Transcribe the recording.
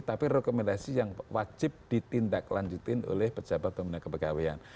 tapi rekomendasi yang wajib ditindaklanjutin oleh pejabat pembina kepegawaian